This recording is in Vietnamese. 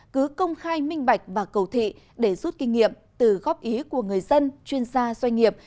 cứ công khai minh bạch và cầu thị để rút kinh nghiệm từ góp ý của người dân chuyên gia doanh nghiệp